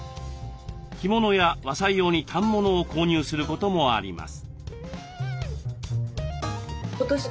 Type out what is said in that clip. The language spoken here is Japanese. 着物や和裁用に反物を購入することもあります。